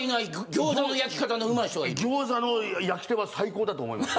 餃子の焼き手は最高だと思います。